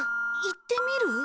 行ってみる？